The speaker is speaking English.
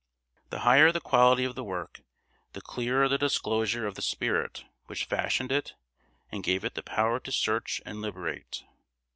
The higher the quality of the work, the clearer the disclosure of the spirit which fashioned it and gave it the power to search and liberate.